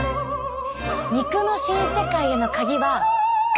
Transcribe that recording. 肉の新世界へのカギは。